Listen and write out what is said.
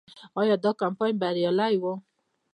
آیا دا کمپاین بریالی و؟